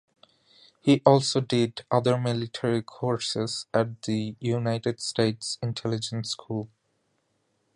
He also did other military courses at the United States Intelligence School.